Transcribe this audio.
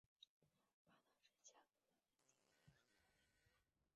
覃巴镇是下辖的一个乡镇级行政单位。